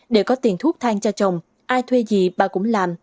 để có tiền thuốc thang cho chồng ai thuê gì bà cũng làm